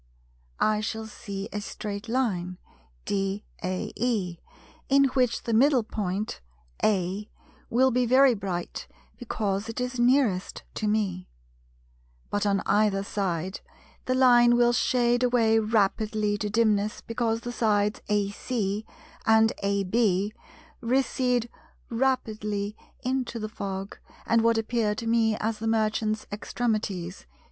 I shall see a straight line DAE, in which the middle point (A) will be very bright because it is nearest to me; but on either side the line will shade away rapidly into dimness, because the sides AC and AB recede rapidly into the fog; and what appear to me as the Merchant's extremities, viz.